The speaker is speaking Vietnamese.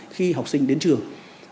khi học sinh đến trường